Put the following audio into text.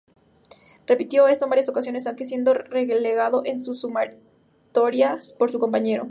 Repitió esto en varias ocasiones, aunque siendo relegado en la sumatoria por su compañero.